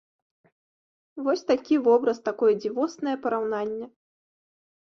Вось такі вобраз, такое дзівоснае параўнанне.